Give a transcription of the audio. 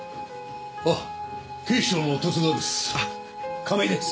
あっ警視庁の十津川です。